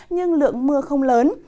nhưng lượng mưa không lớn